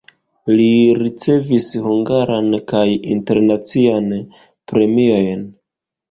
Li ricevis hungaran kaj internacian premiojn.